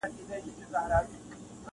نن به د ایپي د مور چل هېره مرمۍ څه وايي -